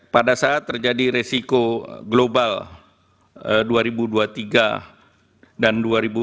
pada saat terjadi resiko global dua ribu dua puluh tiga dan dua ribu dua puluh